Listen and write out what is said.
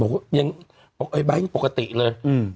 บอกว่ายังบ๊ายคงปกติเลยอืม